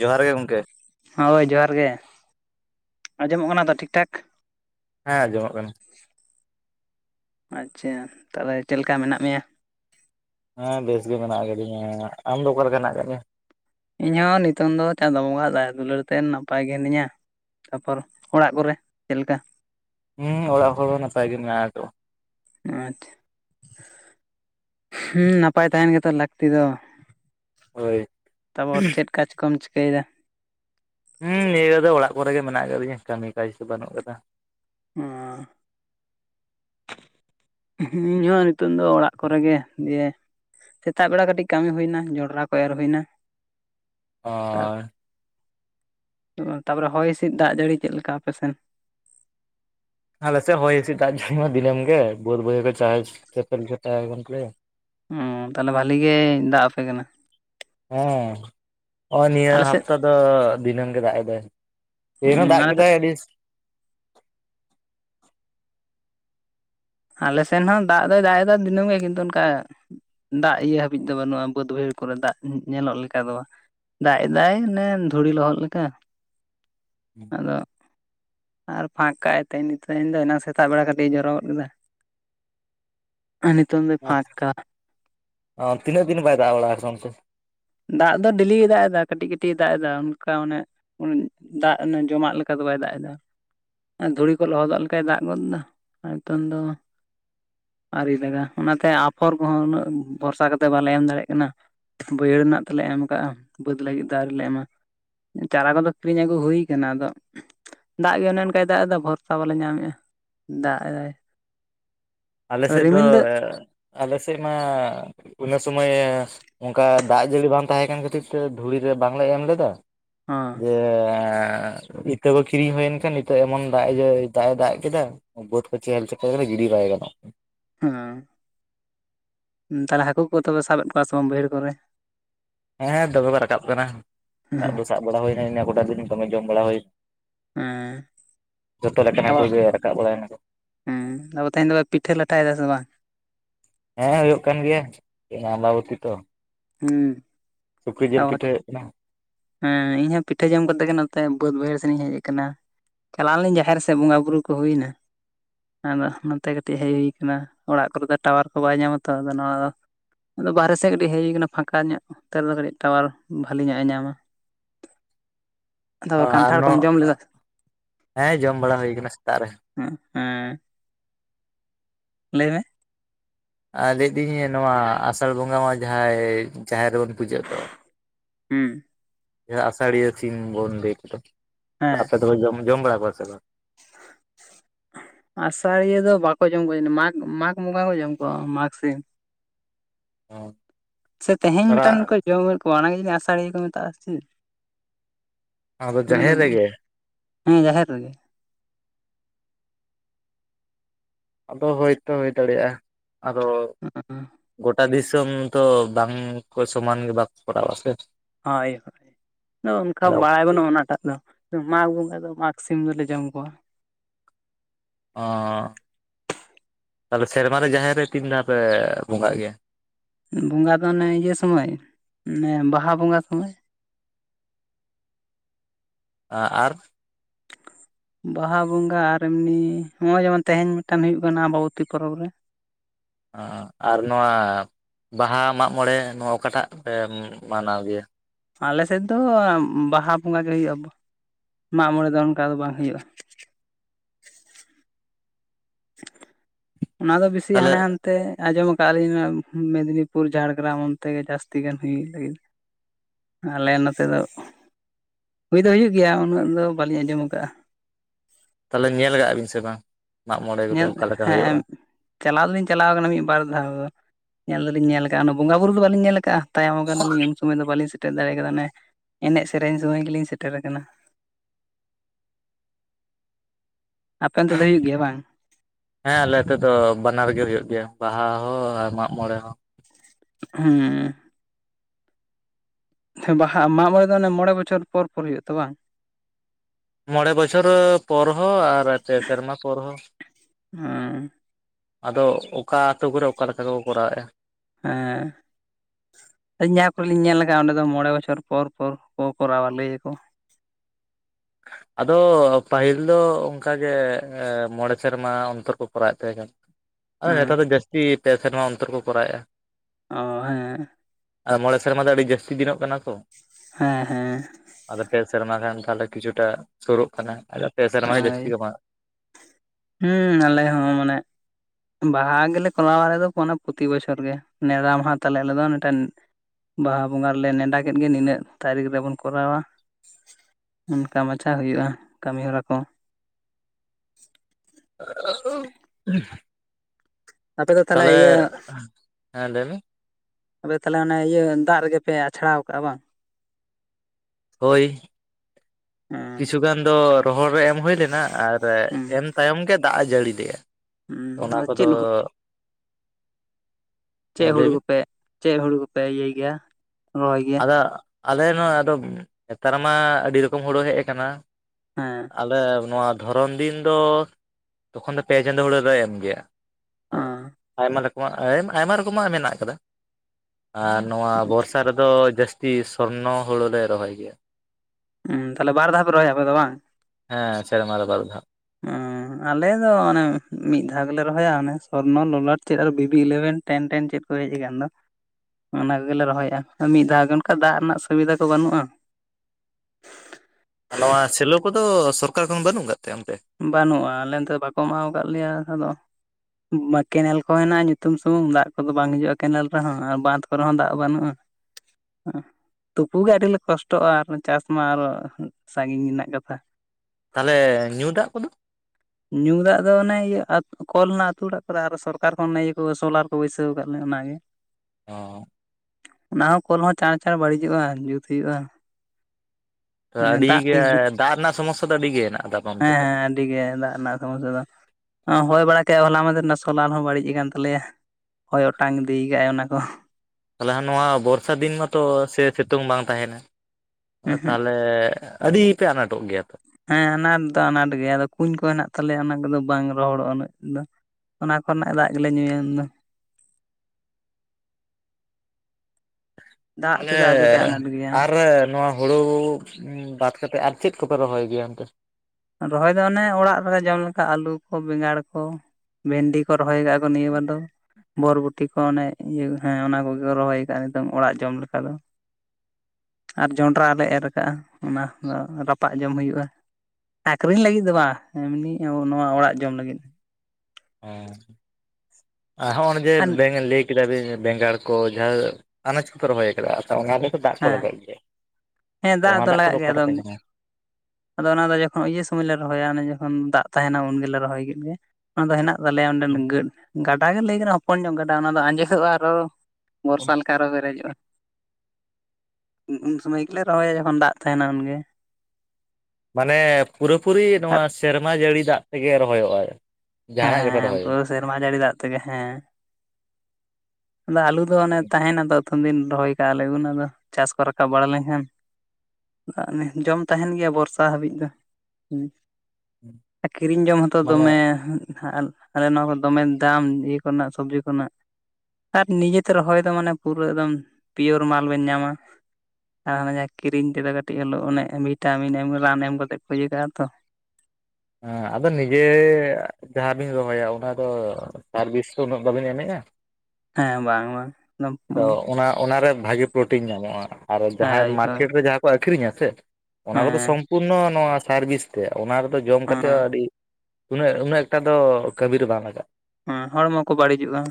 ᱡᱚᱦᱟᱨ ᱜᱮ ᱜᱚᱝᱠᱮ, ᱦᱳᱭ ᱡᱚᱦᱟᱨ ᱜᱮ ᱟᱸᱡᱚᱢᱚᱜ ᱠᱟᱱᱟ ᱛᱚ ᱴᱷᱤᱠᱴᱷᱟᱠ᱾ ᱦᱮᱸ ᱟᱸᱡᱚᱢᱚᱜ ᱠᱟᱱᱟ᱾ ᱟᱪᱪᱷᱟ ᱛᱟᱦᱞᱮ ᱪᱮᱫᱞᱮᱠᱟ ᱢᱮᱱᱟᱜ ᱢᱮᱭᱟ, ᱦᱮᱸ ᱵᱮᱥ ᱜᱮ ᱢᱮᱱᱟᱜ ᱟᱠᱟᱫᱤᱧᱟ ᱟᱢ ᱫᱚ ᱚᱠᱟᱞᱮᱠᱟ ᱦᱮᱱᱟᱜ ᱠᱟᱫ ᱢᱮᱭᱟ? ᱤᱧ ᱦᱚᱸ ᱱᱤᱛᱚᱝ ᱫᱚ ᱪᱟᱸᱫᱳ ᱵᱚᱸᱜᱟ ᱫᱟᱭᱟ ᱫᱩᱞᱟᱹᱲ ᱛᱮ ᱱᱟᱯᱟᱭ ᱜᱮ ᱦᱤᱱᱟᱹᱧᱟ᱾ ᱛᱟᱯᱚᱨ ᱚᱲᱟᱜ ᱠᱚᱨᱮ ᱪᱮᱫ ᱞᱮᱠᱟ? ᱦᱩᱸ ᱚᱲᱟᱜ ᱦᱚᱲ ᱦᱚᱸ ᱱᱟᱯᱟᱭ ᱜᱮ ᱢᱮᱱᱟᱜᱼᱟᱛᱚ ᱟᱪᱷᱟ ᱦᱩᱸ ᱱᱟᱯᱟᱭ ᱛᱟᱦᱮᱱ ᱜᱮᱛᱚ ᱞᱟᱹᱠᱛᱤ ᱫᱚ ᱦᱳᱭ ᱛᱟᱯᱚᱨ ᱪᱮᱫ ᱠᱟᱡ ᱠᱚᱢ ᱪᱤᱠᱟᱹᱭᱮᱫᱟ? ᱦᱩᱸ ᱱᱤᱭᱟᱹ ᱫᱟ ᱫᱚ ᱚᱲᱟᱜ ᱠᱚᱨᱮ ᱜᱮ ᱢᱮᱱᱟᱜ ᱟᱠᱟᱫᱤᱧᱟ ᱠᱟᱹᱢᱤ ᱠᱟᱡᱽ ᱫᱚ ᱵᱟᱹᱱᱩᱜ ᱠᱟᱫᱟ ᱚ ᱤᱧᱦᱚ ᱱᱤᱛᱚᱝ ᱫᱚ ᱚᱲᱟᱜ ᱠᱚᱨᱮ ᱜᱮ ᱫᱤᱭᱮ ᱥᱮᱛᱟᱜ ᱵᱮᱲᱟ ᱠᱟᱹᱴᱤᱡ ᱠᱟᱹᱢᱤ ᱦᱩᱭᱱᱟ ᱡᱚᱸᱱᱰᱨᱟ ᱠᱚ ᱮᱨ ᱦᱩᱭᱱᱟ ᱚᱨ ᱛᱟᱯᱚᱨ ᱦᱚᱭ ᱦᱤᱥᱤᱫ ᱫᱟᱜ ᱡᱟᱹᱲᱤ ᱪᱮᱫ ᱞᱮᱠᱟ ᱟᱯᱮ ᱥᱮᱱ? ᱟᱞᱮᱥᱮᱫ ᱦᱚᱭ ᱦᱤᱥᱤᱫ ᱫᱟᱜ ᱡᱟᱹᱲᱤ ᱢᱟ ᱫᱤᱱᱟᱹᱢ ᱜᱮ ᱵᱳᱫ ᱵᱟᱹᱭᱦᱟᱹᱲ ᱠᱚ ᱪᱟᱦᱮ ᱪᱮᱯᱮᱞ ᱪᱮ ᱠᱟᱱ ᱛᱟᱞᱮᱭᱟ ᱚ ᱛᱟᱦᱚᱞᱮ ᱵᱷᱟᱹᱞᱤ ᱜᱮ ᱫᱟᱜ ᱟᱯᱮ ᱠᱟᱱᱟ ᱦᱮᱸ ᱱᱚᱜᱼᱚᱭ ᱱᱤᱭᱟᱹ ᱟᱞᱮ ᱥᱮᱫ ᱦᱟᱯᱛᱟ ᱫᱚ ᱫᱤᱱᱟᱹᱢ ᱜᱮ ᱫᱟᱜ ᱮᱫᱟᱭ ᱛᱮᱦᱮᱱ ᱦᱚᱸ ᱫᱟᱜ ᱠᱮᱫᱟᱭ ᱟᱰᱤᱥ ᱟᱞᱮ ᱥᱮᱱ ᱦᱚᱸ ᱫᱟᱜ ᱫᱚᱭ ᱫᱟᱜ ᱮᱫᱟ ᱫᱤᱱᱟᱹᱢ ᱜᱮ ᱠᱤᱱᱛᱩ ᱚᱱᱠᱟ ᱫᱟᱜ ᱤᱭᱟᱹ ᱦᱟᱹᱵᱤᱡ ᱫᱚ ᱵᱟᱹᱱᱩᱜᱼᱟ ᱵᱟᱹᱫ ᱵᱟᱹᱭᱦᱟᱹᱲ ᱠᱚᱨᱮ ᱫᱟᱜ ᱧᱮᱞᱚᱜ ᱞᱮᱠᱟ ᱫᱚ ᱫᱟᱜ ᱮᱫᱟᱭ ᱚᱱᱮ ᱫᱷᱩᱲᱤ ᱞᱚᱦᱚᱫ ᱞᱮᱠᱟ ᱟᱫᱚ ᱟᱨ ᱯᱷᱟᱸᱠ ᱠᱟᱜᱼᱟᱭ ᱛᱮᱦᱮᱧ ᱱᱤᱛᱚᱜ ᱫᱚ ᱮᱱᱟᱝ ᱥᱮᱛᱟᱜ ᱵᱮᱲᱟ ᱠᱟᱴᱤᱡ ᱡᱚᱨᱚ ᱜᱚᱫ ᱠᱮᱫᱟ ᱟᱨ ᱱᱤᱛᱳᱝ ᱫᱚᱭ ᱯᱷᱟᱸᱠ ᱠᱟ ᱚ ᱛᱤᱱᱟᱹᱜ ᱫᱤᱱ ᱵᱟᱭ ᱫᱟᱜ ᱵᱟᱲᱟ ᱠᱟᱜ-ᱟ ᱚᱱᱛᱮ? ᱫᱟᱜ ᱫᱚ ᱰᱮᱞᱤᱭ ᱫᱟᱜ ᱮᱫᱟ ᱠᱟᱹᱴᱤᱡ ᱠᱟᱹᱴᱤᱡ ᱮ ᱫᱟᱜ ᱮᱫᱟ ᱚᱱᱠᱟ ᱚᱱᱮ ᱫᱟᱜ ᱡᱚᱢᱟᱜ ᱞᱮᱠᱟ ᱫᱚ ᱵᱟᱭ ᱫᱟᱜ ᱮᱫᱟ ᱫᱷᱩᱲᱤ ᱠᱚ ᱞᱚᱦᱚᱫᱚᱜ ᱞᱮᱠᱟᱭ ᱫᱟᱜ ᱜᱚᱫ ᱮᱫᱟ ᱟᱨ ᱱᱤᱛᱚᱝ ᱫᱚ ᱟᱹᱨᱤ ᱫᱟᱜᱟ ᱚᱱᱟᱛᱮ ᱟᱯᱷᱚᱨ ᱠᱚᱦᱚᱸ ᱩᱱᱟᱹᱜ ᱵᱷᱚᱨᱥᱟ ᱠᱟᱛᱮ ᱵᱟᱞᱮ ᱮᱢ ᱫᱟᱲᱮᱜ ᱠᱟᱱᱟ ᱵᱟᱹᱭᱦᱟᱹᱲ ᱨᱮᱱᱟᱜ ᱛᱮᱞᱮ ᱮᱢ ᱟᱠᱟᱜᱼᱟ ᱵᱟᱹᱫ ᱞᱟᱹᱜᱤᱫ ᱫᱚ ᱟᱹᱨᱤᱞᱮ ᱮᱢᱟ ᱪᱟᱨᱟ ᱠᱚᱫᱚ ᱠᱤᱨᱤᱧ ᱟᱹᱜᱩ ᱦᱩᱭ ᱠᱟᱱᱟ ᱟᱫᱚ ᱫᱟᱜ ᱜᱮ ᱚᱱᱮ ᱚᱱᱠᱟᱭ ᱫᱟᱜ ᱮᱫᱟ ᱵᱷᱚᱨᱥᱟ ᱵᱟᱞᱮ ᱧᱟᱢᱮᱫᱼᱟ ᱫᱟᱜ ᱮᱫᱟᱭ ᱛᱚ ᱟᱞᱮᱥᱮᱫ ᱫᱚ ᱨᱤᱢᱤᱞ ᱟᱞᱮᱥᱮᱫ ᱢᱟ ᱤᱱᱟᱹ ᱥᱩᱢᱟᱹᱭ ᱮ ᱚᱱᱠᱟ ᱫᱟᱜ ᱡᱟᱹᱲᱤ ᱵᱟᱝ ᱛᱟᱦᱮᱸ ᱠᱟᱱ ᱠᱷᱟᱹᱛᱤᱨ ᱛᱮ ᱫᱷᱩᱲᱤ ᱨᱮ ᱵᱟᱝᱞᱮ ᱮᱢ ᱞᱮᱫᱟ ᱦᱚᱸ ᱡᱮ ᱮᱸᱻᱻ ᱵᱤᱫ ᱤᱛᱟᱹ ᱠᱚ ᱠᱤᱨᱤᱧ ᱦᱩᱭᱮᱱ ᱠᱷᱟᱱ ᱱᱤᱛᱚᱜ ᱮᱢᱚᱱ ᱫᱟᱜ ᱮ ᱡᱚ ᱫᱟᱜ ᱮ ᱫᱟᱜ ᱠᱮᱫᱟ ᱵᱟᱹᱫᱽ ᱠᱚ ᱪᱮᱦᱮᱞ ᱪᱮᱯᱮᱞ ᱨᱮ ᱜᱤᱰᱤ ᱵᱟᱭ ᱜᱟᱱᱚᱜ ᱚ ᱛᱟᱞᱦᱮ ᱦᱟᱹᱠᱩ ᱠᱚ ᱛᱚᱵᱮ ᱥᱟᱵᱮᱫ ᱠᱚᱣᱟ ᱥᱮ ᱵᱟᱝ ᱵᱟᱹᱭᱦᱟᱹᱲ ᱠᱚᱨᱮ? ᱦᱮᱸ ᱫᱚᱢᱮ ᱠᱚ ᱨᱟᱠᱟᱵ ᱠᱟᱱᱟ ᱫᱟᱜ ᱫᱚ ᱥᱟᱵ ᱵᱟᱲᱟ ᱦᱩᱭᱱᱟ ᱤᱱᱟᱹ ᱠᱚᱴᱟ ᱫᱤᱱ ᱫᱚᱢᱮ ᱡᱚᱢ ᱵᱟᱲᱟ ᱦᱩᱭᱱᱟ। ᱦᱮᱸ ᱡᱚᱛᱚ ᱞᱮᱠᱟᱱ ᱦᱟᱠᱳ ᱜᱮ ᱨᱟᱠᱟᱵ ᱵᱟᱲᱟᱭᱱᱟ ᱠᱚ ᱦᱩᱸ ᱟᱫᱚ ᱛᱮᱦᱮᱧ ᱫᱚ ᱯᱤᱴᱷᱟᱹ ᱞᱟᱴᱷᱟᱭᱮᱫᱟ ᱥᱮ ᱵᱟᱝ? ᱦᱮᱸ ᱦᱳᱭᱳᱜ ᱠᱟᱱ ᱜᱮᱭᱟ ᱛᱮᱦᱮᱧ ᱟᱢᱵᱟᱵᱚᱛᱤ ᱛᱚ। ᱦᱩᱸ ᱥᱩᱠᱨᱤ ᱡᱮᱞ ᱯᱤᱴᱷᱟᱹ ᱦᱮᱡ ᱟᱠᱟᱱᱟ ᱦᱮᱸ ᱤᱧ ᱦᱚᱸ ᱯᱤᱴᱷᱟᱹ ᱡᱚᱢ ᱠᱟᱛᱮᱜ ᱜᱮ ᱱᱚᱛᱮ ᱵᱟᱹᱫ ᱵᱟᱹᱭᱦᱟᱹᱲ ᱥᱮᱱᱤᱧ ᱦᱮᱡ ᱟᱠᱟᱱᱟ ᱪᱟᱞᱟᱣ ᱞᱮᱱᱟᱧ ᱡᱟᱦᱮᱨ ᱥᱮᱫ ᱵᱚᱸᱜᱟ ᱵᱩᱨᱩ ᱠᱚ ᱦᱩᱭᱮᱱᱟ ᱟᱫᱚ ᱱᱚᱛᱮ ᱠᱟᱹᱴᱤᱡ ᱦᱮᱡ ᱦᱩᱭ ᱟᱠᱟᱱᱟ ᱚᱲᱟᱜ ᱠᱚᱨᱮ ᱫᱚ ᱴᱟᱣᱟᱨ ᱠᱚ ᱵᱟᱭ ᱧᱟᱢᱟ ᱛᱚ ᱟᱫᱚ ᱱᱚᱣᱟ ᱫᱚ ᱟᱫᱚ ᱵᱟᱨᱦᱮ ᱥᱮᱫ ᱠᱟᱹᱴᱤᱡ ᱦᱮᱡ ᱦᱩᱭ ᱟᱠᱟᱱᱟ ᱯᱷᱟᱸᱠᱟ ᱧᱚᱜ ᱚᱛᱮ ᱨᱮᱫᱚ ᱠᱟᱹᱴᱤᱡ ᱴᱟᱣᱟᱨ ᱵᱷᱟᱞᱤ ᱧᱚᱜ ᱮ ᱧᱟᱢᱟ। ᱟᱫᱚ ᱚ ᱟᱨ ᱠᱟᱱᱴᱷᱟᱲ ᱠᱚᱢ ᱱᱚᱣᱟ ᱡᱚᱢ ᱞᱮᱫᱟ ᱦᱮᱸ ᱡᱚᱢ ᱵᱟᱲᱟ ᱦᱩᱭ ᱟᱠᱟᱱᱟ ᱥᱮᱛᱟᱜ ᱨᱮ। ᱦᱮᱸ ᱞᱟᱹᱭ ᱢᱮ ᱟᱨ ᱞᱟᱹᱭᱫᱤᱧ ᱱᱚᱣᱟ ᱟᱥᱟᱲ ᱵᱚᱸᱜᱟ ᱢᱟ ᱡᱟᱦᱟᱸᱭ ᱡᱟᱦᱮᱨ ᱨᱮᱵᱚᱱ ᱯᱩᱡᱟᱹᱜ ᱫᱚ ᱦᱩᱸ ᱟᱥᱟᱲᱤᱭᱟᱹ ᱥᱤᱢ ᱵᱚᱱ ᱞᱟᱹᱭ ᱠᱚᱫᱚ ᱦᱮᱸ ᱟᱯᱮ ᱫᱚᱯᱮ ᱡᱚᱢ ᱵᱟᱲᱟ ᱠᱚᱣᱟ ᱥᱮ ᱵᱟᱝ? ᱟᱥᱟᱲᱤᱭᱟᱹ ᱫᱚ ᱵᱟᱠᱚ ᱡᱚᱢ ᱠᱚᱣᱟ ᱡᱟᱱᱤ ᱢᱟᱜᱽ ᱢᱟᱜᱽ ᱵᱚᱸᱜᱟ ᱠᱚ ᱡᱚᱢ ᱠᱚᱣᱟ ᱢᱟᱜᱽ ᱥᱤᱢ᱾ ᱚ, ᱥᱮ ᱛᱮᱦᱮᱧ ᱢᱤᱫᱴᱟᱝ ᱠᱚ ᱡᱚᱢᱮᱫ ᱠᱚᱣᱟ ᱚᱱᱟᱜᱮ ᱟᱥᱟᱲᱤᱭᱟᱹ ᱠᱚ ᱢᱮᱛᱟᱜᱼᱟ ᱪᱮᱫ? ᱟᱫᱚ ᱚᱱᱟ ᱫᱚ ᱡᱟᱦᱮᱨ ᱨᱮᱜᱮ ᱦᱮᱸ ᱡᱟᱦᱮᱨ ᱨᱮᱜᱮ᱾ ᱟᱫᱚ ᱦᱳᱭᱛᱚ ᱦᱩᱭᱳ ᱫᱟᱲᱮᱭᱟᱜᱼᱟ᱾ ᱟᱫᱚ [unintelligible] ᱜᱳᱚᱴᱟ ᱫᱤᱥᱚᱢ ᱫᱚ ᱵᱟᱝᱠᱚ ᱥᱚᱢᱟᱱ ᱜᱮ ᱵᱟᱠᱚ ᱠᱚᱨᱟᱣᱟ ᱥᱮ᱾ ᱦᱳᱭ ᱦᱳᱭ ᱟᱫᱚ ᱚᱱᱠᱟ ᱵᱟᱲᱟᱭ ᱵᱚᱱᱩ ᱚᱱᱟᱴᱟᱜ ᱫᱚ, ᱢᱟᱜᱽ ᱵᱚᱸᱜᱟ ᱫᱚ ᱢᱟᱜᱽ ᱥᱤᱢ ᱫᱚᱞᱮ ᱡᱚᱢ ᱠᱚᱣᱟ᱾ ᱚ ᱛᱟᱦᱞᱮ ᱥᱮᱨᱢᱟ ᱨᱮ ᱡᱟᱦᱮᱨ ᱨᱮ ᱛᱤᱱ ᱫᱷᱟᱣ ᱯᱮ ᱵᱚᱸᱜᱟᱜ ᱜᱮᱭᱟ? ᱵᱚᱸᱜᱟ ᱫᱚ ᱚᱱᱮ ᱤᱭᱟᱹ ᱥᱚᱢᱚᱭ ᱚᱱᱮ ᱵᱟᱦᱟ ᱵᱚᱸᱜᱟ ᱥᱚᱢᱚᱭ᱾ ᱟ ᱟᱨ? ᱵᱟᱦᱟ ᱵᱚᱸᱜᱟ ᱟᱨ ᱮᱢᱱᱤ ᱱᱚᱜ-ᱚᱭ ᱡᱮᱢᱚᱱ ᱛᱮᱦᱮᱧ ᱢᱤᱫᱴᱟᱝ ᱦᱩᱭᱩᱜ ᱠᱟᱱᱟ ᱟᱢᱵᱟᱵᱚᱛᱤ ᱯᱚᱨᱚᱵᱽ ᱨᱮ᱾ ᱟᱨ ᱱᱚᱣᱟ ᱵᱟᱦᱟ ᱢᱟᱜ ᱢᱚᱬᱮ ᱱᱚᱣᱟ ᱚᱠᱟᱴᱟᱜ ᱯᱮ ᱢᱟᱱᱟᱣ ᱜᱮᱭᱟ? ᱟᱞᱮ ᱥᱮᱫ ᱫᱚ ᱵᱟᱦᱟ ᱵᱚᱸᱜᱟ ᱜᱮ ᱦᱩᱭᱩᱜᱼᱟ ᱢᱟᱜ ᱢᱚᱬᱮ ᱫᱚ ᱚᱱᱠᱟ ᱫᱚ ᱵᱟᱝ ᱦᱩᱭᱩᱜᱼᱟ᱾ ᱚᱱᱟ ᱫᱚ ᱵᱮᱥᱤ ᱛᱟᱦᱚᱞᱮ ᱦᱟᱱᱮ ᱦᱟᱱ ᱛᱮ᱾ ᱟᱸᱡᱚᱢ ᱟᱠᱟᱞᱤᱧ ᱢᱮᱫᱽᱱᱤᱯᱩᱨ ᱡᱷᱟᱲᱜᱨᱟᱢ ᱚᱱᱛᱮ ᱜᱮ ᱡᱟᱹᱥᱛᱤ ᱜᱟᱱ ᱦᱩᱭ ᱞᱟᱹᱜᱤᱫ᱾ ᱟᱞᱮ ᱱᱚᱛᱮ ᱫᱚ ᱦᱩᱭ ᱫᱚ ᱦᱩᱭᱩᱜ ᱜᱮᱭᱟ, ᱩᱱᱟᱹᱜ ᱫᱚ ᱵᱟᱹᱞᱤᱧ ᱟᱸᱡᱚᱢᱟ ᱠᱟᱜᱼᱟ᱾ ᱛᱟᱦᱚᱞᱮ ᱧᱮᱞ ᱠᱟᱜ ᱵᱤᱱ ᱥᱮ ᱵᱟᱝ ᱢᱟᱜ ᱢᱚᱬᱮ ᱠᱚᱫᱚ ᱧᱮᱞ ᱚᱠᱟ ᱞᱮᱠᱟ ᱦᱮᱸ ᱦᱩᱭᱩᱜᱼᱟ? ᱪᱟᱞᱟᱣ ᱫᱚᱞᱤᱧ ᱪᱟᱞᱟᱣ ᱟᱠᱟᱱᱟ ᱢᱤᱫ ᱵᱟᱨ ᱫᱷᱟᱣ ᱫᱚ ᱧᱮᱞ ᱫᱚᱞᱤᱧ ᱧᱮᱞ ᱟᱠᱟᱟᱜᱼᱟ, ᱚᱱᱟ ᱵᱚᱸᱜᱟ ᱵᱩᱨᱩ ᱫᱚ ᱵᱟᱞᱤᱧ ᱧᱮᱞ ᱟᱠᱟᱫᱼᱟ᱾ ᱛᱟᱭᱚᱢ ᱟᱠᱟᱱᱟ ᱞᱤᱧ ᱩᱱ ᱥᱢᱚᱭ ᱫᱚ ᱵᱟᱹᱞᱤᱧ ᱥᱮᱴᱮᱨ ᱫᱟᱲᱮ ᱟᱠᱟᱫᱟ ᱚᱱᱮ ᱮᱱᱮᱡ ᱥᱮᱨᱮᱧ ᱥᱳᱚᱢᱚᱭ ᱜᱮᱞᱤᱧ ᱥᱮᱴᱮᱨ ᱟᱠᱟᱱᱟ᱾ ᱟᱯᱮ ᱚᱱᱛᱮᱫ ᱫᱚ ᱦᱩᱭᱩᱜ ᱜᱮᱭᱟ ᱵᱟᱝ? ᱦᱮᱸ ᱟᱞᱮ ᱛᱮᱫ ᱫᱚ ᱵᱟᱱᱟᱨ ᱜᱮ ᱦᱩᱭᱩᱜᱳ ᱜᱮᱭᱟ ᱵᱟᱦᱟ ᱦᱚᱸ ᱢᱟᱜ ᱢᱚᱬᱮ ᱦᱚᱸ᱾ ᱦᱩᱸᱻ ᱵᱟᱦᱟ ᱢᱟᱜ ᱢᱚᱬᱮ ᱚᱱᱟ ᱢᱚᱬᱮ ᱵᱚᱪᱷᱚᱨ ᱯᱚᱨ ᱯᱚᱨ ᱦᱩᱭᱩᱜ ᱛᱚ ᱵᱟᱝ? ᱢᱚᱬᱮ ᱵᱚᱪᱷᱚᱨ ᱯᱚᱨ ᱦᱚᱸ ᱟᱨ ᱯᱮ ᱥᱮᱨᱢᱟ ᱯᱚᱨ ᱦᱚᱸ᱾ ᱦᱮᱸ ᱟᱫᱚ ᱚᱠᱟ ᱟᱛᱳ ᱠᱚᱨᱮ ᱚᱠᱟ ᱞᱮᱠᱟ ᱠᱚ ᱠᱚᱨᱟᱣᱮᱫᱼᱟ᱾ ᱦᱮᱸ, ᱟᱞᱤᱧ ᱡᱟᱦᱟᱸ ᱠᱚᱨᱮᱞᱤᱧ ᱧᱮᱞ ᱟᱠᱟᱼᱟ ᱚᱸᱰᱮ ᱫᱚ ᱢᱚᱬᱮ ᱵᱚᱪᱷᱚᱨ ᱯᱚᱨ ᱯᱚᱨ ᱠᱚ ᱠᱚᱨᱟᱣ ᱟᱠᱚ ᱞᱟᱹᱭᱟᱠᱚ᱾ ᱟᱫᱚ ᱯᱟᱹᱦᱤᱞ ᱫᱚ ᱚᱱᱠᱟ ᱜᱮ ᱢᱚᱬᱮ ᱥᱮᱨᱢᱟ ᱚᱱᱛᱚᱨ ᱠᱚ ᱠᱚᱨᱟᱣᱮᱫ ᱛᱟᱦᱮᱸ ᱠᱟᱱᱟ᱾ ᱟᱫᱚ ᱦᱮᱸ ᱱᱮᱛᱟᱨ ᱫᱚ ᱡᱟᱹᱥᱛᱤ ᱯᱮ ᱥᱮᱨᱢᱟ ᱚᱱᱛᱚᱨ ᱠᱚ ᱠᱚᱨᱟᱣᱮᱫᱼᱟ᱾ ᱚ ᱦᱮᱸ, ᱟᱨ ᱢᱚᱬᱮ ᱥᱮᱨᱢᱟ ᱫᱚ ᱟᱹᱰᱤ ᱡᱟᱹᱥᱛᱤ ᱫᱤᱱᱚᱜ ᱠᱟᱱᱟ ᱛᱚ᱾ ᱦᱮᱸ ᱦᱮᱸ᱾ ᱟᱫᱚ ᱯᱮ ᱥᱮᱨᱢᱟ ᱠᱷᱟᱱ ᱛᱟᱦᱚᱞᱮ ᱠᱤᱪᱷᱩᱴᱟ ᱥᱩᱨᱩᱜ ᱠᱟᱱᱟ ᱟᱫᱚ ᱯᱮ ᱥᱮᱨᱢᱟ ᱜᱮ ᱦᱳᱭ ᱡᱟᱹᱥᱛᱤ ᱜᱮ ᱦᱩᱸ ᱟᱞᱮ ᱦᱚᱸ ᱢᱟᱱᱮ ᱵᱟᱦᱟ ᱜᱮᱞᱮ ᱠᱚᱨᱟᱣᱟ ᱟᱞᱮ ᱫᱚ ᱯᱨᱚᱛᱤ ᱵᱚᱪᱷᱚᱨ ᱜᱮ ᱱᱮᱰᱟ ᱢᱟᱦᱟ ᱛᱟᱞᱮ ᱟᱞᱮ ᱫᱚ ᱢᱤᱫᱴᱮᱱ ᱵᱟᱦᱟ ᱵᱚᱸᱜᱟ ᱨᱮᱞᱮ ᱱᱮᱰᱟ ᱠᱮᱫ ᱜᱮ ᱱᱤᱱᱟᱹᱜ ᱛᱟᱹᱨᱤᱠᱷ ᱨᱮᱵᱚᱱ ᱠᱚᱨᱟᱣᱟ᱾ ᱚᱱᱠᱟ ᱢᱟᱪᱷᱟ ᱦᱩᱭᱩᱜᱼᱟ ᱠᱟᱹᱢᱤ ᱦᱚᱨᱟ ᱠᱚ᱾ [unintelligible] ᱟᱯᱮ ᱫᱚ ᱛᱟᱞᱦᱮ ᱛᱟᱦᱚᱞᱮ ᱤᱭᱟᱹ ᱦᱮᱸ ᱞᱟᱹᱭ ᱢᱮ ᱟᱫᱚᱮ ᱛᱟᱦᱚᱞᱮ ᱚᱱᱮ ᱤᱭᱟᱹ ᱫᱟᱜ ᱨᱮᱜᱮ ᱯᱮ ᱟᱪᱷᱲᱟᱣ ᱠᱟᱜᱼᱟ ᱵᱟᱝ? ᱦᱳᱭ᱾ ᱠᱤᱪᱷᱩᱜᱟᱱ ᱫᱚ ᱨᱚᱦᱚᱲ ᱨᱮ ᱮᱢ ᱦᱩᱭ ᱞᱮᱱᱟ ᱟᱨ ᱦᱩᱸ ᱮᱢ ᱛᱟᱭᱚᱢ ᱜᱮ ᱫᱟᱜ ᱮ ᱡᱟᱹᱲᱤᱞᱮᱼᱟ᱾ ᱦᱩᱸ ᱚᱱᱟ ᱠᱚᱫᱚ ᱪᱮᱫ ᱪᱮᱫ ᱦᱮᱸ ᱞᱟᱹᱭ ᱦᱩᱲᱩ ᱵᱤᱱ ᱠᱚᱯᱮ ᱪᱮᱫ ᱦᱩᱲᱩ ᱠᱚᱯᱮ ᱤᱭᱟᱹᱭ ᱜᱮᱭᱟ ᱨᱚᱦᱚᱭ ᱜᱮ ᱟᱫᱚ ᱟᱞᱮ ᱱᱚᱣᱟ ᱟᱫᱚ ᱱᱮᱛᱟᱨ ᱢᱟ ᱟᱹᱰᱤ ᱨᱚᱠᱚᱢ ᱦᱩᱲᱩ ᱦᱮᱡ ᱟᱠᱟᱱᱟ᱾ ᱦᱮᱸ᱾ ᱟᱞᱮ ᱱᱚᱣᱟ ᱫᱷᱚᱨᱚᱢ ᱫᱤᱱ ᱫᱚ ᱛᱚᱠᱷᱚᱱ ᱫᱚ ᱯᱮ ᱪᱟᱸᱫᱚᱳ ᱦᱩᱲᱳᱞ ᱞᱮ ᱮᱢ ᱜᱮᱭᱟ᱾ ᱚ ᱟᱨ ᱟᱭᱢᱟ ᱨᱚᱠᱚᱢᱟᱜ ᱟᱭᱢᱟ ᱨᱚᱠᱚᱢᱟᱜ ᱢᱮᱱᱟᱜ ᱠᱟᱫᱟ᱾ ᱟᱨ ᱱᱚᱣᱟ ᱵᱚᱨᱥᱟ ᱨᱮᱫᱚ ᱡᱟᱹᱥᱛᱤ ᱥᱚᱨᱱᱚ ᱦᱩᱲᱩ ᱞᱮ ᱨᱚᱦᱚᱭ ᱜᱮᱭᱟ᱾ ᱛᱟᱦᱚᱞᱮ ᱵᱟᱨ ᱫᱷᱟᱣ ᱯᱮ ᱨᱚᱦᱚᱭᱟ ᱟᱯᱮ ᱫᱚ ᱵᱟᱝ? ᱦᱮᱸ ᱥᱮᱨᱢᱮ ᱨᱮ ᱵᱟᱨ ᱫᱷᱟᱣ᱾ ᱦᱩᱸ ᱟᱞᱮ ᱫᱚ ᱚᱱᱮ ᱢᱤᱫ ᱫᱷᱟᱣ ᱜᱮᱞᱮ ᱨᱚᱦᱚᱭᱟ ᱚᱱᱮ ᱥᱚᱨᱱᱚ ᱞᱚᱞᱚᱴ ᱪᱮᱫ ᱟᱨ ᱵᱤᱵᱤ ᱤᱞᱮᱵᱷᱮᱱ ᱴᱮᱱ, ᱴᱮᱱ, ᱪᱮᱫ ᱠᱚᱩᱨᱮᱡ ᱟᱠᱟᱱ ᱫᱚ ᱚᱱᱟ ᱠᱚᱜᱮᱞᱮ ᱨᱚᱦᱚᱭᱟ ᱢᱤᱫ ᱫᱷᱟᱣ ᱜᱮ ᱚᱱᱠᱟ ᱫᱟᱜ ᱨᱮᱱᱟᱜ ᱥᱩᱵᱤᱫᱟ ᱠᱚ ᱵᱟᱹᱱᱩᱜᱼᱟ᱾ ᱟᱨ ᱱᱚᱣᱟ ᱥᱮᱞᱚ ᱠᱚᱫᱚ ᱥᱚᱨᱠᱟᱨ ᱠᱷᱚᱱ ᱵᱟᱹᱱᱩᱜ ᱟᱠᱟᱫ ᱛᱟᱭᱟ ᱚᱱᱛᱮ ᱵᱟᱹᱱᱩᱜᱼᱟ ᱟᱞᱮ ᱱᱛᱮᱫ ᱵᱟᱠᱚ ᱮᱢᱟᱣ ᱟᱠᱟᱫ ᱞᱮᱭᱟ ᱟ ᱟᱫᱚ᱾ ᱠᱮᱱᱮᱞ ᱠᱚ ᱦᱮᱱᱟᱜᱼᱟ ᱧᱩᱛᱩᱢ ᱥᱩᱢᱩᱝ ᱫᱟᱜ ᱠᱚᱫᱚ ᱵᱟᱝ ᱦᱤᱡᱩᱜᱼᱟ ᱠᱮᱱᱮᱞ ᱨᱮᱦᱚᱸ ᱟᱨ ᱵᱟᱸᱫᱷ ᱠᱚᱨᱮ ᱦᱚᱸ ᱫᱟᱜ ᱵᱟᱹᱱᱩᱜᱼᱟ᱾ ᱛᱩᱯᱩᱜ ᱜᱮ ᱟᱹᱰᱤ ᱞᱮ ᱠᱚᱥᱴᱚᱜᱼᱟ ᱟᱨ ᱪᱟᱥ ᱢᱟ ᱟᱨᱚ ᱥᱟᱺᱜᱤᱧ ᱨᱮᱱᱟᱜ ᱠᱟᱛᱷᱟ᱾ ᱛᱟᱦᱚᱞᱮ ᱧᱩ ᱫᱟᱜ ᱠᱚᱫᱚ? ᱧᱩ ᱫᱟᱜ ᱫᱚ ᱚᱱᱮ ᱤᱭᱟᱹ ᱟᱛ ᱠᱚᱞ ᱮᱱᱟᱜᱼᱟ ᱟᱹᱛᱩ ᱚᱲᱟᱜ ᱠᱚᱨᱮ ᱟᱨ ᱥᱚᱨᱠᱟᱨ ᱠᱷᱚᱱ ᱤᱭᱟᱹ ᱠᱚ ᱥᱳᱞᱟᱨ ᱠᱚ ᱵᱟᱹᱭᱥᱟᱹᱣ ᱟᱠᱟᱫ ᱞᱮ ᱚᱱᱟᱜᱮ᱾ ᱚ ᱚᱱᱟ ᱦᱚᱸ ᱠᱚᱞ ᱦᱚᱸ ᱪᱟᱹᱲ ᱟᱜ ᱵᱟᱹᱲᱤᱡᱚᱜᱼᱟ ᱡᱩᱛ ᱦᱩᱭᱩᱜᱼᱟ᱾ ᱚ ᱢᱟᱱᱮ ᱟᱹᱰᱤ ᱫᱟᱜ ᱜᱮ ᱫᱤᱠ ᱫᱤᱭᱮ ᱫᱟᱜ ᱨᱮᱱᱟᱜ ᱥᱚᱢᱚᱥᱥᱟ ᱫᱚ ᱟᱹᱰᱤ ᱜᱮ ᱦᱮᱱᱟᱜᱼᱟ? ᱦᱮᱸ ᱦᱮᱸ ᱟᱹᱰᱤ ᱜᱮ ᱫᱟᱜ ᱨᱮᱱᱟᱜ ᱥᱚᱢᱚᱥᱥᱟ ᱫᱚ ᱦᱚᱭ ᱵᱟᱲᱟ ᱠᱮᱫ ᱦᱚᱞᱟ ᱢᱟᱫᱷᱮᱨ ᱱᱟᱥᱚᱞᱟᱞ ᱦᱚᱸ ᱵᱟᱹᱲᱤᱡ ᱟᱠᱟᱱ ᱛᱟᱞᱮᱭᱟ᱾ ᱦᱚᱭ ᱚᱴᱟᱝ ᱤᱫᱤᱭ ᱠᱮᱫᱼᱟᱭ ᱚᱱᱟ ᱠᱚ ᱛᱟᱦᱚᱞᱮᱟᱱ ᱱᱚᱣᱟ ᱵᱚᱨᱥᱟ ᱫᱤᱱ ᱢᱟᱛᱚ ᱥᱮ ᱥᱤᱛᱩᱝ ᱵᱟᱝ ᱛᱟᱦᱮᱱᱟ ᱛᱟᱦᱚᱞᱮ? ᱮ ᱟᱹᱰᱤ ᱯᱮ ᱟᱱᱟᱴᱚᱜ ᱜᱮᱭᱟ ᱛᱮ? ᱦᱮᱸ ᱟᱱᱟᱴ ᱫᱚ ᱟᱱᱟᱴ ᱜᱮ ᱟᱫᱚ ᱠᱩᱧ ᱠᱚ ᱦᱮᱱᱟᱜ ᱛᱟᱞᱮᱭᱟ ᱚᱱᱟ ᱠᱚᱫᱚ ᱵᱟᱝ ᱨᱚᱦᱚᱲᱚᱜᱼᱟ ᱩᱱᱟᱹᱜ ᱫᱚ᱾ ᱚᱱᱟ ᱠᱚᱨᱮᱱᱟᱜ ᱫᱟᱜ ᱜᱮᱞᱮ ᱧᱩᱭᱟ ᱩᱱᱫᱚ᱾ ᱫᱟᱜ ᱛᱟᱦᱚᱞᱮ ᱛᱮᱫᱚ ᱟᱹᱣᱨᱤ ᱞᱮ ᱟᱱᱟᱴ ᱜᱮᱭᱟ ᱟᱨ ᱱᱚᱣᱟᱼᱼ ᱦᱩᱲᱩ ᱵᱟᱫ ᱠᱟᱛᱮᱮᱫ ᱟᱨ ᱪᱮᱫ ᱠᱚᱯᱮ ᱨᱚᱦᱚᱭ ᱜᱮᱭᱟ ᱚᱱᱛᱮ? ᱨᱚᱦᱚᱭ ᱫᱚ ᱚᱱᱮ ᱚᱲᱟᱜ ᱨᱮᱜ ᱡᱚᱢ ᱞᱮᱠᱟ ᱟᱹᱞᱩ ᱠᱚ ᱵᱮᱸᱜᱟᱲ ᱠᱚᱼᱼ ᱵᱷᱮᱱᱰᱤ ᱠᱚ ᱨᱚᱦᱚᱭ ᱟᱠᱟᱫᱼᱟ ᱠᱚ ᱱᱤᱭᱟᱹ ᱵᱟᱨ ᱫᱚ᱾ ᱵᱚᱨᱵᱚᱴᱤ ᱠᱚ ᱚᱱᱮ ᱤᱭᱟᱹ ᱦᱮᱸ ᱚᱱᱟ ᱠᱚᱜᱮ ᱠᱚ ᱨᱚᱦᱚᱭ ᱟᱠᱟᱫᱟ ᱱᱤᱛᱚᱝ ᱚᱲᱟᱜ ᱡᱚᱢ ᱞᱮᱠᱟ ᱫᱚ᱾ ᱟᱨ ᱡᱚᱸᱰᱨᱟ ᱞᱮ ᱮᱨ ᱠᱟᱜᱼᱟ ᱚᱱᱟ ᱫᱚ ᱨᱟᱯᱟᱜ ᱡᱚᱢ ᱦᱩᱭᱩᱜᱼᱟ᱾ ᱟᱠᱠᱷᱨᱤᱧ ᱞᱟᱹᱜᱤᱫ ᱫᱚ ᱵᱟᱝ ᱮᱢᱱᱤ ᱱᱚᱣᱟ ᱚᱲᱟᱜ ᱡᱚᱢ ᱞᱟᱹᱜᱤᱫ, ᱦᱮᱸ ᱟᱨ ᱦᱚᱸ ᱡᱮ ᱟᱨ ᱵᱮᱝᱠ ᱞᱟᱹᱭᱼᱼ ᱠᱮᱫᱟ ᱵᱮ ᱵᱮᱸᱜᱟᱲ ᱠᱚ ᱡᱟᱦᱟᱸ ᱟᱱᱟᱡ ᱠᱚᱯᱮ ᱨᱚᱦᱚᱭ ᱟᱠᱟᱫᱟ ᱚᱱᱟᱼᱼ ᱫᱟᱜ ᱠᱚ ᱦᱮᱸ ᱞᱟᱜᱟᱜ ᱜᱮᱭᱟ ᱦᱮᱸ ᱛᱚ ᱚᱱᱟ ᱫᱚ ᱫᱟᱜ ᱠᱚᱫᱚ ᱞᱟᱜᱟᱜ ᱜᱮᱭᱟ ᱚᱠᱟ ᱟᱫᱚ ᱨᱮᱯᱮ ᱧᱟᱢᱟ? ᱟᱫᱚ ᱚᱱᱟ ᱫᱚ ᱡᱚᱠᱷᱚᱱ ᱤᱭᱟᱹ ᱥᱚᱢᱚᱭ ᱞᱮ ᱨᱚᱦᱚᱭᱟ ᱚᱱᱮ ᱡᱚᱠᱷᱚᱱ ᱫᱟᱜ ᱛᱟᱦᱮᱱᱟ ᱩᱱ ᱜᱮᱞᱮ ᱨᱚᱦᱚᱭ ᱠᱮᱫ ᱜᱮ᱾ ᱚᱱᱟ ᱫᱚ ᱦᱮᱱᱟᱜ ᱛᱟᱞᱮᱭᱟ ᱜᱟᱰᱟ ᱜᱮ ᱞᱟᱹᱭ ᱜᱟᱱᱚᱜ ᱟ ᱦᱚᱯᱚᱱ ᱧᱚᱜ ᱜᱟᱰᱟ ᱚᱱᱟ ᱫᱚ ᱟᱸᱡᱮᱫᱚᱜᱼᱟ ᱟᱨᱚᱼᱼ ᱵᱚᱨᱥᱟ ᱞᱮᱠᱟ ᱟᱨᱦᱚᱸ ᱯᱮᱨᱮᱡᱚᱜᱼᱟ᱾ ᱩᱱ ᱥᱚᱢᱚᱭ ᱜᱮᱞᱮ ᱨᱚᱦᱚᱭᱟ ᱡᱚᱠᱷᱚᱱ ᱫᱟᱜ ᱛᱟᱦᱮᱱᱟ ᱩᱱᱜᱮ᱾ ᱢᱟᱱᱮ ᱯᱩᱨᱟᱹ ᱯᱩᱨᱤ ᱱᱚᱣᱟ ᱥᱮᱨᱢᱟ ᱡᱟᱹᱲᱤ ᱫᱟᱜ ᱛᱮᱜᱮ ᱨᱚᱦᱚᱭᱚᱜᱼᱟ ᱦᱮᱸ ᱡᱟᱦᱟᱱᱟᱜ ᱜᱮᱯᱮ ᱦᱮᱸ ᱨᱚᱦᱚᱭᱟ? ᱯᱩᱨᱟᱹ ᱥᱮᱨᱢᱟ ᱡᱟᱹᱲᱤ ᱫᱟᱜ ᱛᱮᱜᱮ ᱦᱮᱸ ᱟᱫᱚ ᱟᱞᱩ ᱫᱚ ᱚᱱᱮ ᱛᱟᱦᱮᱱᱟ ᱛᱚ ᱩᱚᱛᱷᱚᱱ ᱫᱤᱱ ᱨᱚᱦᱚᱭ ᱠᱟᱜᱼᱟ ᱞᱮ ᱩᱱ ᱟᱫᱚ ᱪᱟᱥ ᱠᱚ ᱨᱟᱠᱟᱵ ᱵᱟᱲᱟ ᱞᱮᱱᱠᱷᱟᱱᱼᱼ ᱟᱜ ᱡᱚᱢ ᱛᱟᱦᱮᱱ ᱜᱮᱭᱟ ᱵᱚᱨᱥᱟ ᱦᱟᱹᱵᱤᱡ ᱫᱚ ᱦᱮᱸ ᱠᱤᱨᱤᱧ ᱡᱚᱢ ᱦᱚᱸᱛᱚ ᱢᱟᱱᱮ ᱫᱚᱢᱮᱼᱼ ᱟᱨ ᱟᱞᱮ ᱱᱚᱣᱟ ᱠᱚ ᱫᱚᱢᱮ ᱫᱟᱢ ᱤᱭᱟᱹ ᱠᱚ ᱨᱮᱱᱟᱜ ᱥᱚᱵᱽᱡᱤ ᱠᱚ ᱨᱮᱱᱟᱜ᱾ ᱟᱨ ᱱᱤᱡᱮ ᱛᱮ ᱨᱚᱦᱚᱭ ᱫᱚ ᱢᱟᱱᱮ ᱯᱩᱨᱟᱹ ᱮᱠᱫᱚᱢ ᱯᱤᱭᱳᱨ ᱢᱟᱞ ᱵᱮᱱ ᱧᱟᱢᱟ, ᱟᱨ ᱚᱱᱮ ᱠᱤᱨᱤᱧ ᱛᱮᱫᱚ ᱠᱟᱹᱴᱤᱡ ᱟᱞᱚ ᱚᱱᱮ ᱵᱷᱤᱴᱟᱢᱤᱱ ᱮᱢ ᱨᱟᱱ ᱮᱢ ᱠᱟᱛᱮᱫ ᱠᱚ ᱤᱭᱟᱹ ᱠᱟᱜᱼᱟ ᱛᱚ᱾ ᱦᱮᱸ ᱟᱫᱚ ᱱᱤᱡᱮ ᱡᱟᱦᱟᱸ ᱵᱤᱱ ᱨᱚᱦᱚᱭᱟ ᱚᱱᱟ ᱫᱚ ᱥᱟᱨ ᱵᱤᱥ ᱩᱱᱟᱹᱜ ᱵᱟᱹᱵᱤᱱ ᱮᱢᱮᱫᱼᱟ᱾ ᱦᱮᱸ ᱵᱟᱝ, ᱵᱟᱝ, ᱮᱠᱫᱚᱢ ᱟᱫᱚ ᱦᱳᱭ ᱚᱱᱟ ᱚᱱᱟᱨᱮ ᱵᱷᱟᱜᱤ ᱯᱨᱳᱴᱤᱱ ᱧᱟᱢᱚᱜ-ᱟ ᱟᱨ ᱡᱟᱦᱟᱸᱭ ᱦᱳᱭ ᱢᱟᱨᱠᱮᱴ ᱨᱮ ᱡᱟᱦᱟᱸ ᱠᱚ ᱟᱠᱷᱨᱤᱧᱟ ᱥᱮ ᱚᱱᱟ ᱠᱚᱫᱚ ᱦᱮᱸ ᱥᱚᱢᱯᱩᱨᱱᱚ ᱱᱚᱣᱟ ᱥᱟᱨᱵᱷᱤᱥ ᱛᱮ ᱚᱱᱟ ᱨᱮᱫᱚ ᱡᱚᱢ ᱠᱟᱛᱮᱫ ᱦᱮᱸ ᱟᱹᱰᱤ ᱩᱱᱟᱹᱜ ᱩᱱᱟᱹᱜ ᱮᱠᱴᱟ ᱫᱚ ᱠᱟᱹᱢᱤ ᱨᱮ ᱵᱟᱝ ᱞᱟᱜᱟᱜ᱾ ᱦᱮᱸ ᱦᱚᱲᱢᱚ ᱠᱚ ᱵᱟᱹᱲᱤᱡᱚᱜ-ᱟ᱾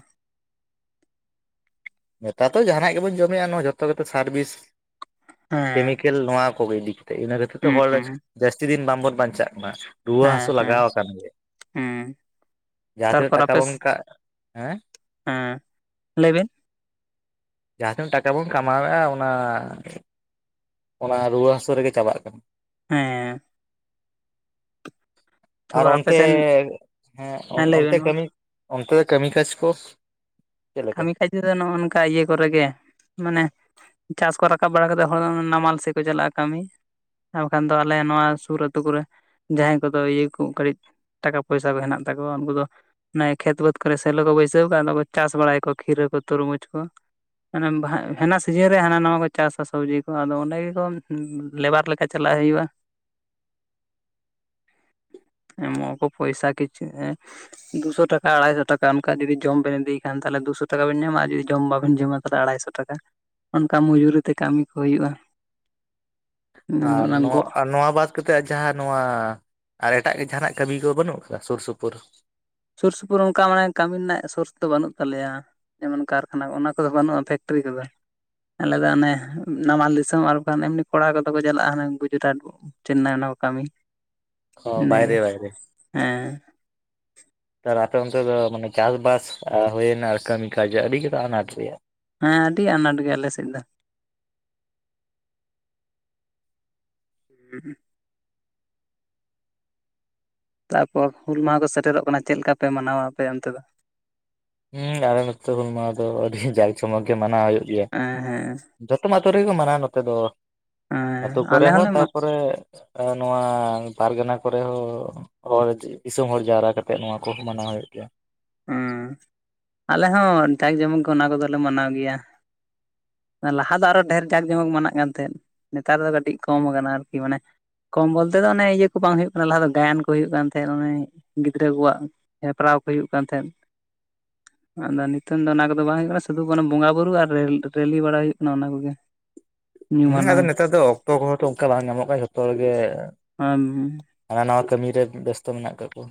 ᱱᱮᱛᱟᱨ ᱛᱚ ᱡᱟᱦᱟᱱᱟᱜ ᱜᱮᱵᱚᱱ ᱡᱚᱢᱮᱜ-ᱟ ᱱᱚᱣᱟ ᱡᱚᱛᱚ ᱜᱮᱛᱚ ᱥᱟᱨᱵᱷᱤᱥ ᱦᱮᱸ ᱠᱮᱢᱤᱠᱮᱞ ᱱᱚᱣᱟ ᱠᱚᱜᱮ ᱤᱫᱤ ᱤᱱᱟᱹ ᱠᱷᱟᱹᱛᱤᱨ ᱛᱮ ᱦᱩᱸ ᱦᱚᱲ ᱡᱟᱹᱥᱛᱤ ᱫᱤᱱ ᱵᱟᱝᱵᱚᱱ ᱵᱟᱧᱪᱟᱜ ᱠᱟᱱᱟ᱾ ᱨᱩᱣᱟᱹ ᱦᱮᱸ ᱦᱟᱹᱥᱳ ᱦᱮᱸ ᱞᱟᱜᱟᱣ ᱟᱠᱟᱱ ᱜᱮᱭᱟ ᱦᱮᱸ ᱡᱟᱦᱟᱸ ᱛᱤᱱᱟᱹᱜ ᱛᱟᱨᱯᱚᱨ ᱴᱟᱠᱟ ᱟᱯᱮ ᱵᱚᱱ ᱠᱟᱜ ᱦᱮᱸ ᱦᱮᱸ ᱞᱟᱹᱭ ᱵᱤᱱ ᱡᱟᱦᱟᱸ ᱛᱤᱱᱟᱹᱜ ᱴᱟᱠᱟ ᱵᱚᱱ ᱠᱟᱢᱟᱣᱮᱜ-ᱟ ᱚᱱᱟ ᱚᱱᱟ ᱨᱩᱣᱟᱹ ᱦᱟᱹᱥᱩ ᱨᱮᱜᱮ ᱪᱟᱵᱟᱜ ᱠᱟᱱᱟ᱾ ᱦᱮᱸ ᱟᱨ ᱛᱟᱯᱚᱨ ᱟᱯᱮ ᱚᱱᱛᱮ ᱥᱮᱱ ᱦᱮᱸ ᱞᱟᱹᱭ ᱚᱱᱛᱮ ᱵᱮᱱ ᱢᱟ ᱠᱟᱹᱢᱤ ᱚᱱᱛᱮ ᱫᱚ ᱠᱟᱹᱢᱤ ᱠᱟᱡᱽ ᱠᱚ ᱪᱮᱫ ᱞᱮᱠᱟ ᱠᱟᱹᱢᱤ ᱠᱷᱟᱡ ᱫᱚ ᱱᱚᱜ-ᱚ ᱱᱚᱠᱟ ᱤᱭᱟᱹ ᱠᱚᱨᱮ ᱜᱮ ᱢᱟᱱᱮ ᱪᱟᱥ ᱠᱚ ᱨᱟᱠᱟᱵ ᱵᱟᱲᱟ ᱠᱟᱛᱮᱫ ᱦᱚᱲ ᱫᱚ ᱱᱟᱢᱟᱞ ᱥᱮᱫ ᱠᱚ ᱪᱟᱞᱟᱜ-ᱟ ᱠᱟᱢᱤ ᱟᱨ ᱵᱟᱠᱷᱟᱱ ᱫᱚ ᱟᱞᱮ ᱱᱚᱣᱟ ᱥᱩᱨ ᱟᱹᱛᱩ ᱠᱚᱨᱮ ᱡᱟᱦᱟᱸᱭ ᱠᱚᱫᱚ ᱤᱭᱟᱹ ᱠᱚ ᱠᱟᱹᱴᱤᱡ ᱴᱟᱠᱟ ᱯᱚᱭᱥᱟ ᱠᱚ ᱦᱮᱱᱟᱜ ᱛᱟᱠᱚᱣᱟ ᱩᱱᱠᱩ ᱫᱚ ᱚᱱᱮ ᱠᱷᱮᱛ ᱵᱟᱹᱛ ᱠᱚᱨᱮ ᱥᱮᱞᱚ ᱠᱚ ᱵᱟᱹᱭᱥᱟᱹᱣ ᱠᱟᱜ ᱟ ᱟᱫᱚ ᱠᱚ ᱪᱟᱥ ᱵᱟᱲᱟᱭ ᱠᱚ ᱠᱷᱤᱨᱟᱹ ᱠᱚ ᱛᱩᱨᱢᱩᱡᱽ ᱠᱚ ᱢᱟᱱᱮ ᱦᱮᱱᱟ ᱥᱤᱡᱤᱱ ᱨᱮ ᱦᱟᱱᱟ ᱱᱟᱣᱟ ᱠᱚ ᱪᱟᱥᱟ ᱥᱚᱵᱡᱤ ᱠᱚ ᱟᱫᱚ ᱚᱸᱰᱮ ᱜᱮᱠᱚ ᱞᱮᱵᱟᱨ ᱞᱮᱠᱟ ᱪᱟᱞᱟᱜ ᱦᱩᱭᱩᱜ-ᱟ᱾ ᱮᱢᱚᱜ ᱟᱠᱚ ᱯᱚᱭᱥᱟ ᱠᱤᱪ ᱮ ᱫᱩᱥᱚ ᱴᱟᱠᱟ ᱟᱲᱟᱭᱥᱚ ᱴᱟᱠᱟ ᱚᱱᱠᱟ ᱡᱩᱫᱤ ᱡᱚᱢ ᱵᱮᱱ ᱤᱫᱤᱭ ᱠᱷᱟᱱ ᱫᱚ, ᱛᱟᱦᱞᱮ ᱫᱩᱥᱚ ᱴᱟᱠᱟ ᱵᱤᱱ ᱧᱟᱢᱟ ᱟᱨ ᱡᱩᱫᱤ ᱡᱚᱢ ᱵᱟᱵᱮᱱ ᱡᱚᱢᱟ ᱛᱟᱦᱞᱮ ᱟᱲᱟᱭᱥᱚ ᱴᱟᱠᱟ᱾ ᱚᱱᱠᱟ ᱢᱩᱡᱩᱨᱤ ᱛᱮ ᱠᱟᱹᱢᱤ ᱠᱚ ᱦᱩᱭᱩᱜ-ᱟ᱾ ᱟᱨ ᱱᱚᱣᱟ ᱜᱚᱜ ᱱᱚᱣᱟ ᱵᱟᱫ ᱠᱟᱛᱮᱜ ᱡᱟᱦᱟᱸ ᱱᱚᱣᱟ ᱟᱨ ᱮᱴᱟᱜ ᱜᱮ ᱡᱟᱦᱟᱱᱟᱜ ᱠᱟᱹᱢᱤ ᱠᱚ ᱵᱟᱹᱱᱩᱜ ᱟᱠᱟᱫᱟ ᱥᱩᱨ ᱥᱩᱯᱩᱨ? ᱥᱩᱨ ᱥᱩᱯᱩᱨ ᱚᱱᱠᱟ ᱢᱟᱱᱮ ᱠᱟᱹᱢᱤ ᱨᱮᱱᱟᱜ ᱥᱳᱨᱥ ᱫᱚ ᱵᱟᱹᱱᱩᱜ ᱛᱟᱞᱮᱭᱟ, ᱡᱮᱢᱚᱱ ᱠᱟᱨᱠᱷᱟᱱᱟ ᱠᱚ ᱚᱱᱟ ᱠᱚᱫᱚ ᱵᱟᱹᱱᱩᱜ-ᱟ ᱯᱷᱮᱠᱴᱨᱤ ᱠᱚᱫᱚ᱾ ᱟᱞᱮ ᱫᱚ ᱚᱱᱮ ᱱᱟᱢᱟᱞ ᱫᱤᱥᱚᱢ ᱟᱨ ᱵᱟᱠᱷᱟᱱ ᱮᱢᱱᱤ ᱠᱚᱲᱟ ᱠᱚᱫᱚ ᱠᱚ ᱪᱟᱞᱟᱜ-ᱟ ᱦᱟᱱᱮ ᱜᱩᱡᱩᱨᱟᱴ ᱪᱮᱱᱱᱟᱭ ᱚᱱᱟ ᱠᱚ ᱠᱟᱢᱤ ᱵᱟᱭᱨᱮ ᱤᱱᱟᱹᱜᱮ ᱵᱟᱭᱨᱮ ᱦᱮᱸ ᱛᱟᱞᱮ ᱟᱯᱮ ᱚᱱᱛᱮ ᱫᱚ ᱢᱟᱱᱮ ᱪᱟᱥᱵᱟᱥ ᱦᱩᱭᱱᱟ ᱟᱨ ᱠᱟᱹᱢᱤ ᱠᱟᱡᱽ ᱟᱹᱰᱤ ᱜᱮᱛᱚ ᱟᱱᱟᱴ ᱨᱮᱭᱟᱜ ᱦᱮᱸ ᱟᱹᱰᱤ ᱟᱱᱟᱴ ᱜᱮᱭᱟ ᱟᱞᱮ ᱥᱮᱫ ᱫᱚ ᱦᱮᱸ [unintelligible] ᱛᱟᱨᱯᱚᱨ ᱦᱩᱞ ᱢᱟᱦᱟ ᱠᱚ ᱥᱮᱴᱮᱨᱚᱜ ᱠᱟᱱᱟ ᱪᱮᱫ ᱞᱮᱠᱟ ᱯᱮ ᱢᱟᱱᱟᱣᱟ ᱟᱯᱮ ᱚᱱᱛᱮ ᱫᱚ? ᱦᱮᱸ ᱟᱞᱮ ᱱᱚᱛᱮ ᱦᱩᱞ ᱢᱟᱦᱟ ᱫᱚ ᱟᱹᱰᱤ ᱡᱟᱠ ᱡᱚᱢᱚᱠ ᱜᱮ ᱢᱟᱱᱟᱣ ᱦᱩᱭᱩᱜ ᱜᱮᱭᱟ, ᱮ ᱦᱮᱸ ᱡᱚᱛᱚᱢ ᱟᱛᱩ ᱨᱮᱜᱮ ᱠᱚ ᱢᱟᱱᱟᱣᱟ ᱱᱚᱛᱮ ᱫᱚ ᱟᱛᱳ ᱦᱮᱸ ᱠᱚᱨᱮ ᱟᱞᱮ ᱦᱚᱸ ᱦᱚᱸᱞᱮ ᱛᱟᱯᱚᱨᱮ ᱱᱚᱣᱟ ᱯᱟᱨᱜᱟᱱᱟ ᱠᱚᱨᱮ ᱦᱚᱸ, ᱦᱚᱲ ᱫᱤᱥᱚᱢ ᱦᱚᱲ ᱡᱟᱣᱨᱟ ᱠᱟᱛᱮᱜ ᱱᱚᱣᱟ ᱠᱚ ᱢᱟᱱᱟᱣ ᱦᱩᱭᱩᱜ ᱜᱮᱭᱟ᱾ ᱦᱸ ᱟᱞᱮ ᱦᱚᱸ ᱡᱟᱠ ᱡᱚᱢᱚᱠ ᱜᱮ ᱚᱱᱟ ᱠᱚᱜᱮᱞᱮ ᱢᱟᱱᱟᱣ ᱜᱮᱭᱟ᱾ ᱞᱟᱦᱟ ᱫᱚ ᱟᱨᱚ ᱰᱷᱮᱨ ᱡᱟᱸᱠ ᱡᱚᱢᱚᱠ ᱢᱟᱱᱟᱜ ᱠᱟᱱ ᱛᱟᱦᱮᱸᱫ ᱱᱮᱛᱟᱨ ᱫᱚ ᱠᱟᱹᱴᱤᱡ ᱠᱚᱢ ᱠᱟᱱᱟ ᱟᱨᱠᱤ ᱢᱟᱱᱮ ᱠᱚᱢ ᱵᱚᱞᱛᱮ ᱫᱚ ᱚᱱᱮ ᱤᱭᱟᱹ ᱠᱚ ᱵᱟᱝ ᱦᱩᱭᱩᱜ ᱠᱟᱱᱟ ᱞᱟᱦᱟ ᱫᱚ ᱜᱟᱭᱟᱱ ᱠᱚ ᱦᱩᱭᱩᱜ ᱠᱟᱱ ᱛᱟᱦᱮᱸᱫ ᱚᱱᱮ ᱜᱤᱫᱽᱨᱟᱹ ᱠᱚᱣᱟᱜ ᱦᱮᱯᱨᱟᱣ ᱠᱚ ᱦᱩᱭᱩᱜ ᱠᱟᱱ ᱛᱟᱦᱮᱸᱫ ᱟᱫᱚ ᱱᱤᱛᱚᱝ ᱫᱚ ᱚᱱᱟ ᱠᱚᱫᱚ ᱵᱟᱝ ᱦᱩᱭᱩᱜ ᱠᱟᱱᱟ ᱥᱩᱫᱩ ᱚᱱᱟ ᱵᱚᱸᱜᱟ ᱵᱩᱨᱩ ᱟᱨ ᱨᱮᱞᱤ ᱵᱟᱲᱟ ᱦᱩᱭᱩᱜ ᱠᱟᱱᱟ ᱚᱱᱟ ᱠᱚᱜᱮ᱾ ᱧᱩᱢ ᱦᱮᱸ ᱟᱫᱚ ᱦᱟᱞᱟᱝ ᱱᱮᱛᱟᱨ ᱫᱚ ᱚᱠᱛᱚ ᱠᱚᱦᱚᱸ ᱛᱚ ᱚᱱᱠᱟ ᱵᱟᱝ ᱧᱟᱢᱚᱜ ᱠᱟᱱᱟ ᱡᱷᱚᱛᱚ ᱦᱚᱲᱜᱮ ᱟᱢ ᱦᱟᱱᱟ ᱱᱚᱣᱟ ᱠᱟᱹᱢᱤ ᱨᱮ ᱵᱮᱥᱛᱚ ᱢᱮᱱᱟᱜ ᱟᱠᱟᱫ ᱠᱚᱣᱟ᱾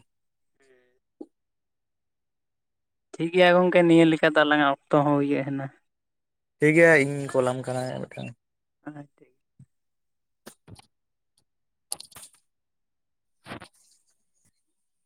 ᱴᱷᱤᱠ ᱜᱮᱭᱟ ᱜᱚᱝᱠᱮ ᱱᱤᱭᱟᱹ ᱞᱮᱠᱟ ᱫᱚ ᱟᱞᱟᱝᱟᱜ ᱚᱠᱛᱚ ᱦᱚᱸ ᱦᱩᱭ ᱦᱮᱡᱮᱱᱟ ᱴᱷᱤᱠ ᱜᱮᱭᱟ ᱤᱧ ᱠᱚᱞᱟᱢ ᱠᱟᱱᱟ ᱢᱤᱫᱴᱟᱝ ᱟᱸᱻ ᱴᱷᱤᱠ